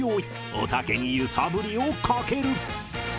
おたけに揺さぶりをかける